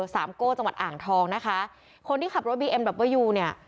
สามโก้จังหวัดอ่างทองนะคะคนที่ขับรถบีเอ็มดับเบอร์ยูเนี่ย